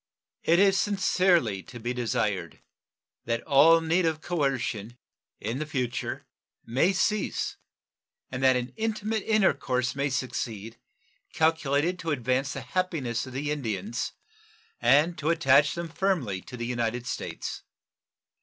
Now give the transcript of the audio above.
It is sincerely to be desired that all need of coercion in future may cease and that an intimate intercourse may succeed, calculated to advance the happiness of the Indians and to attach them firmly to the United States.